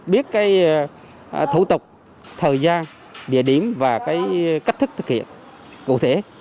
biết cái thủ tục thời gian địa điểm và cái cách thức thực hiện cụ thể